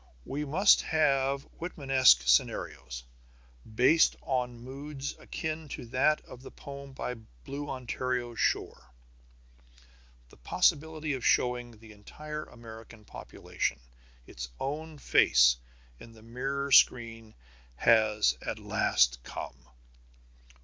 We must have Whitmanesque scenarios, based on moods akin to that of the poem By Blue Ontario's Shore. The possibility of showing the entire American population its own face in the Mirror Screen has at last come.